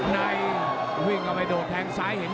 ในวิ่งเข้าไปโดดแทงซ้ายเห็น